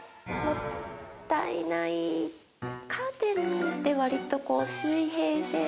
カーテンって割とこう水平線。